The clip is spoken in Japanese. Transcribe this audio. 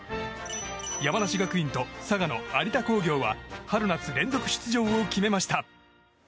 山梨学院と佐賀の有田工業は春夏連続出場を決めました。